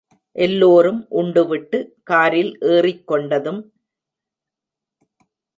எல்லோரும் உண்டுவிட்டு காரில் ஏறிக்கொண்டதும்.